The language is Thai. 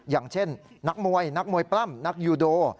อย่างเช่นนักมวยนักมวยปล้ำนักยูโด